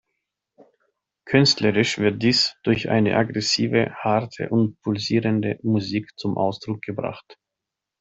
Künstlerisch wird dies durch eine „aggressive, harte und pulsierende Musik“ zum Ausdruck gebracht.